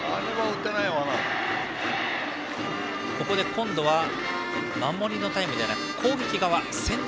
今度は守りのタイムではなく攻撃側専大